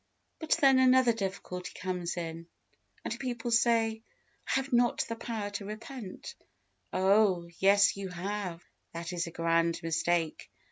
But then another difficulty comes in, and people say, "I have not the power to repent." Oh! yes, you have. That is a grand mistake.